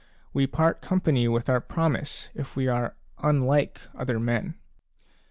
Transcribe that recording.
We part company with our promise if we are unlike other men.